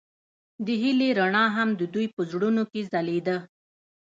د هیلې رڼا هم د دوی په زړونو کې ځلېده.